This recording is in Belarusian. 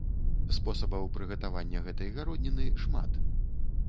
Спосабаў прыгатавання гэтай гародніны шмат.